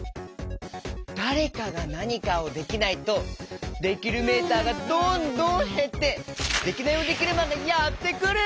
だれかがなにかをできないとできるメーターがどんどんへってデキナイヲデキルマンがやってくる！